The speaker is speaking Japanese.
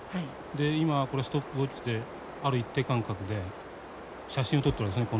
で今これストップウォッチである一定間隔で写真を撮ってるんですね